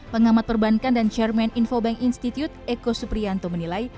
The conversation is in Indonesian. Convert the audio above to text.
pengamat perbankan dan chairman infobank institute eko suprianto menilai